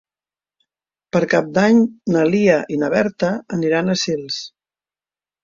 Per Cap d'Any na Lia i na Berta aniran a Sils.